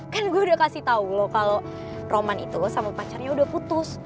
kan gue udah kasih tau loh kalau roman itu sama pacarnya udah putus